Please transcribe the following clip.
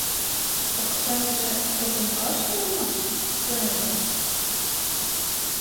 — Оксамже котомкаште улмаш, шонет мо?